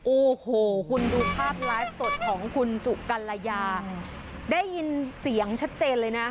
โอ้โหคุณดูภาพไลฟ์สดของคุณสุกัลยาได้ยินเสียงชัดเจนเลยนะ